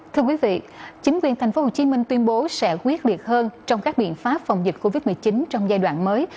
thưa quý vị chính quyền tp hcm tuyên bố sẽ quyết liệt hơn trong các biện pháp phòng dịch covid một mươi chín trong giai đoạn mới